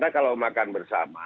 nah kalau makan bersama